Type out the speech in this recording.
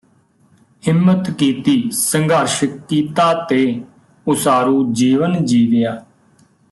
ਹਿੰਮਤ ਕੀਤੀ ਸੰਘਰਸ਼ ਕੀਤਾ ਤੇ ਉਸਾਰੂ ਜੀਵਨ ਜੀਵਿਆ